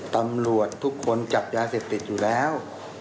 ตำรวจทุกคนจับยาเสพติดอยู่แล้ว